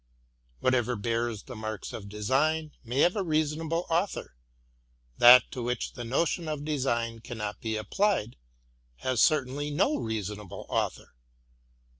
Whatever bears the marks of design may have a reasonable author; that to which the notion of design cannot be applied, has certainly no reason able author.